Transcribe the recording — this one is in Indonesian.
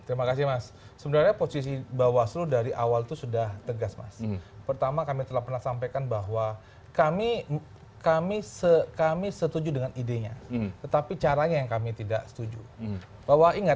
terima kasih mas sebenarnya posisi bawaslu dari awal itu sudah tegas mas pertama kami telah pernah sampaikan bahwa kami kami se kami setuju dengan idenya tetapi caranya yang kami tidak setuju bahwa ingat